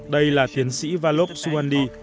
đây là tiến sĩ vallop suwandi